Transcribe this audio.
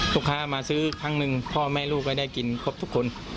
ลูกค้ามาซื้อครั้งหนึ่งพ่อแม่ลูกก็ได้กินครบทุกคน